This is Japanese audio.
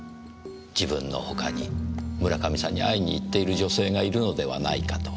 自分の他に村上さんに会いに行っている女性がいるのではないかと。